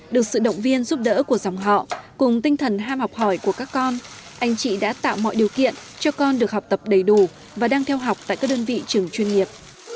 được sự động viên giúp đỡ của dòng họ cùng tinh thần ham học hỏi của các con anh chị đã tạo mọi điều kiện cho con được học tập đầy đủ và đang theo học tại các đơn vị trường chuyên nghiệp